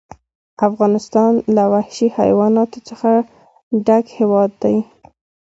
افغانستان له وحشي حیواناتو څخه ډک هېواد دی.